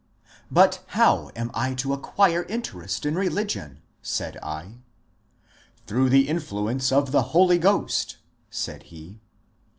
*'*' But how am I to acquire interest in religion ? said I." ^^ Through the influence of the Holy Ghost, said he."